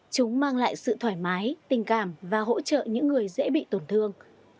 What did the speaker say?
chúng mang lại sự thoải mái tình cảm và hỗ trợ những người dễ bị tổn thương